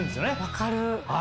分かる。